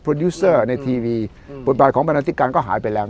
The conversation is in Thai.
โปรดิวเซอร์ในทีวีอืมโปรดบาทของบรรณาติการก็หายไปแล้วน่ะ